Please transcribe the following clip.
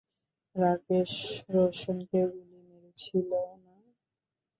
রাকেশ রৌশনকে গুলি মেরেছিলো না?